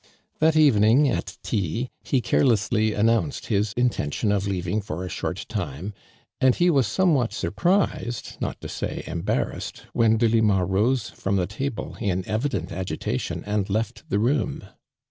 That evening, at tea, he cai^lessly am nounced his intention of leaving for a short *ime, and he was somewhat surprised, not to say embarrassed, when Delima rose from the table in evident agitation and left the room.